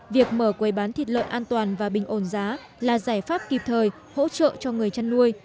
việc mở quầy bán thịt lợn an toàn và bình ổn giá là giải pháp kịp thời hỗ trợ cho người chăn nuôi